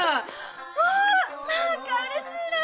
あ何かうれしいな！